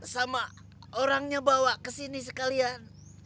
sama orangnya bawa kesini sekalian